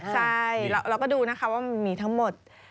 ใช่เราก็ดูนะคะว่ามันมีทั้งหมด